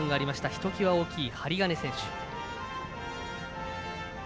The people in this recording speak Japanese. ひときわ大きい、針金選手。